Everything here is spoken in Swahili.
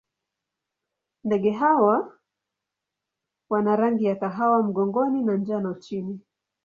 Ndege hawa wana rangi ya kahawa mgongoni na njano chini.